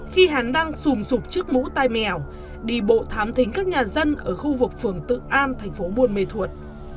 khi hán đang sùm sụp trước mũ tai mèo đi bộ thám thính các nhà dân ở khu vực phường tự an thành phố buôn mê thuột